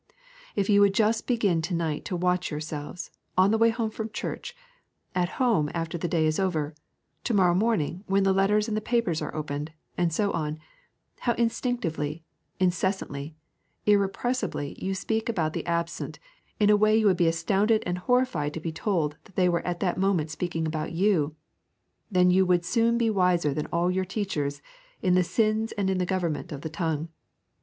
If you would just begin to night to watch yourselves on the way home from church, at home after the day is over, to morrow morning when the letters and the papers are opened, and so on, how instinctively, incessantly, irrepressibly you speak about the absent in a way you would be astounded and horrified to be told they were at that moment speaking about you, then you would soon be wiser than all your teachers in the sins and in the government of the tongue.